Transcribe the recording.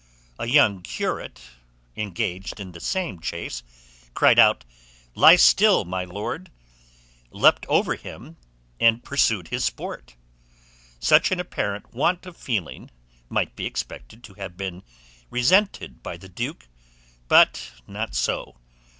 A young curate, engaged in the same chase, cried out, "Lie still, my lord!" leapt over him, and pursued his sport. Such an apparent want of feeling might be expected to have been resented by the duke; but not so.